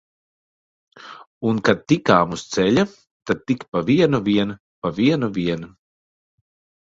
Un kad tikām uz ceļa, tad tik pa vienu vien, pa vienu vien!